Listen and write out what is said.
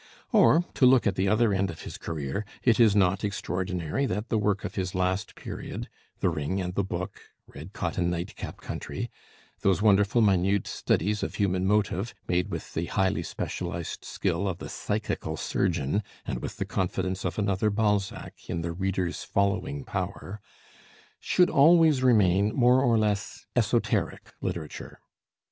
Or, to look at the other end of his career, it is not extraordinary that the work of his last period 'The Ring and the Book,' 'Red Cotton Nightcap Country,' those wonderful minute studies of human motive, made with the highly specialized skill of the psychical surgeon and with the confidence of another Balzac in the reader's following power should always remain more or less esoteric literature.